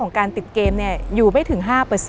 การติดเกมอยู่ไม่ถึง๕